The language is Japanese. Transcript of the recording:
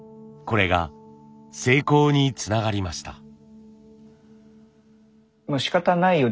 これが成功につながりました。